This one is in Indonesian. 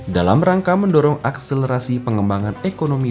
dalam rangka mendorong akselerasi pengembangan ekonomi